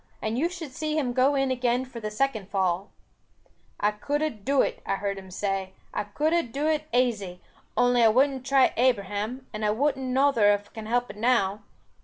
And you should see him go in again for the second fall. 'I could ha dooed it,' I hear him say, 'I could ha dooed it aisy, only I wudn't try Abraham, and I wun't nother if can help it now.